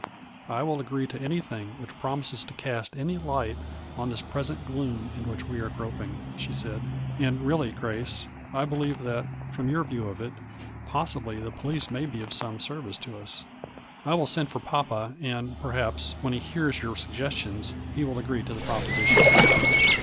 " I will agree to anything which promises to cast any light on this present gloom in which we are groping," she said, " And really, Grace, I believe that, from your view of it, possibly the police may be of some service to us. I will send for papa and, perhaps, when he hears your suggestions, he will agree to the proposi tion."